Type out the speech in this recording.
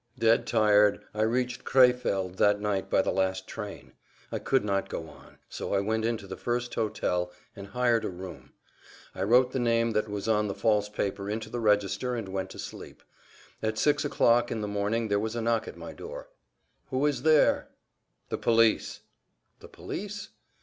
Dead tired, I reached Crefeld that night by the last train. I could not go on. So I went into the first hotel and hired a room. I wrote the name that was on the false paper into the register and went to sleep. At six o'clock in the morning there was a knock at my door. "Who is there?" "The police." "The police?"